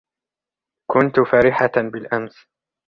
كنت فرِحةً بالأمس.